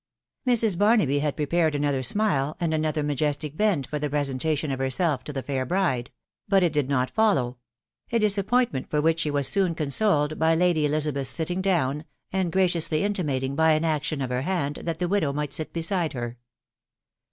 Mrs. Barnaby had prepared another smile, and another ma jestic bend for the presentation of herself to the fair bride; but it did not follow ; a disappointment for which she was soon consoled by Lady Elizabeth's sitting down, and gra ciously intimating, by an action of her hand, that the widow might sit beside her.